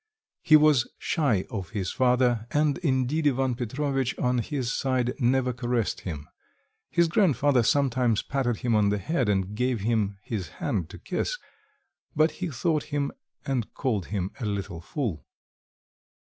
He was shy of his father, and, indeed, Ivan Petrovitch on his side never caressed him; his grandfather sometimes patted him on the head and gave him his hand to kiss, but he thought him and called him a little fool.